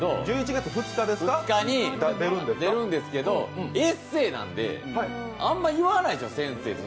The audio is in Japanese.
１１月２日に出るんですけど、エッセーなので、あんまり言わないでしょう、先生って。